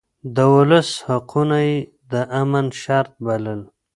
د ولس حقونه يې د امن شرط بلل.